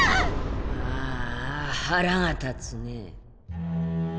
ああ腹が立つねえ。